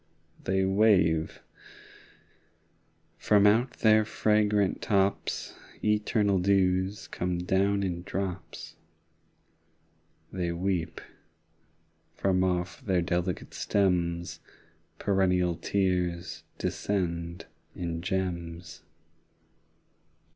They wave: from out their fragrant tops Eternal dews come down in drops. 25 They weep: from off their delicate stems Perennial, tears descend in gems.